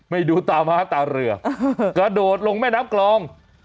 ดูตาม้าตาเรือกระโดดลงแม่น้ำกลอง